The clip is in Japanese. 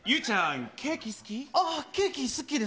ケーキ好きです。